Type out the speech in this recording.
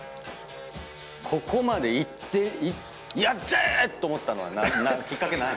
ここまでいってやっちゃえ！と思ったのはきっかけ